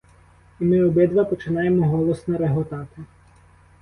І ми обидва починаємо голосно реготати.